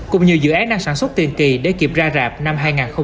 cũng như dự án năng sản xuất tiền kỳ để kịp ra rạp năm hai nghìn hai mươi bốn